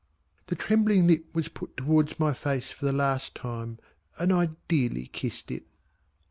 The trembling lip was put up towards my face for the last time, and I dearly kissed it.